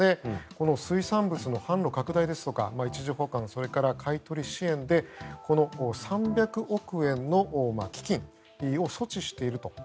この水産物の販路拡大ですとか一時保管それから買い取り支援で３００億円の基金を措置していると。